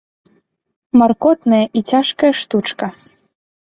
Маркотная і цяжкая штучка.